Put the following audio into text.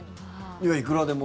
いや、いくらでも。